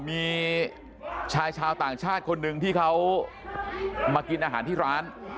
มีชายชาวต่างชาติคนหนึ่งที่เขามากินอาหารที่ร้าน